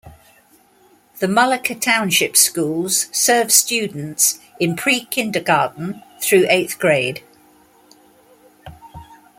The Mullica Township Schools serve students in pre-kindergarten through eighth grade.